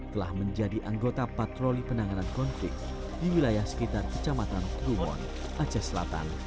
telah menjadi anggota patroli penanganan konflik di wilayah sekitar kecamatan kluwon aceh selatan